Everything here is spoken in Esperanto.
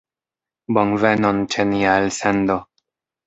Bonvenon ĉe nia elsendo.